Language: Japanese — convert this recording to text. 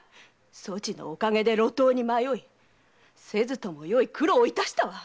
そちのおかげで路頭に迷いせずともよい苦労を致したわ！